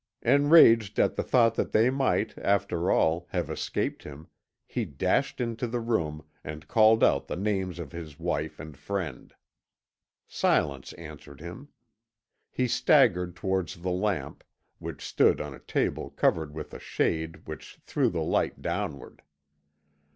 Enraged at the thought that they might, after all, have escaped him, he dashed into the room, and called out the names of his wife and friend. Silence answered him. He staggered towards the lamp, which stood on a table covered with a shade which threw the light downward.